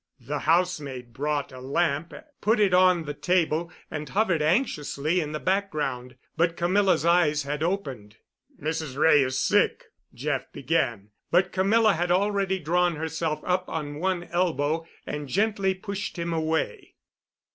The housemaid brought a lamp, put it on the table, and hovered anxiously in the background, but Camilla's eyes had opened. "Mrs. Wray is sick," Jeff began. But Camilla had already drawn herself up on one elbow and gently pushed him away.